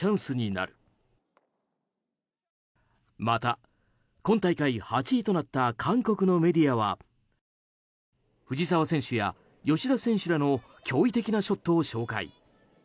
また今大会８位となった韓国のメディアは藤澤選手や吉田選手らの驚異的なショットを紹介。